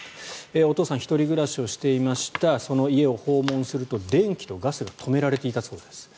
お父さん１人暮らしをしていましたその家を訪問すると電気とガスが止められていたそうです。